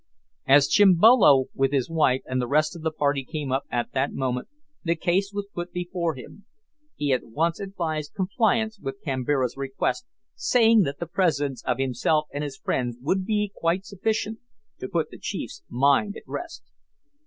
As Chimbolo with his wife and the rest of the party came up at that moment the case was put before him. He at once advised compliance with Kambira's request saying that the presence of himself and his friends would be quite sufficient to put the chief's mind at rest.